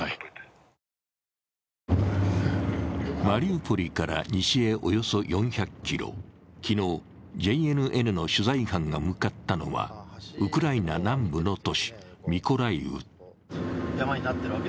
マリウポリから西へおよそ４００ｋｍ、昨日、ＪＮＮの取材班が向かったのはウクライナ南部の都市ミコライウ。